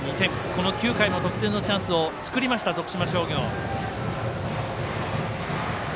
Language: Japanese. この９回も得点のチャンスを作りました徳島商業。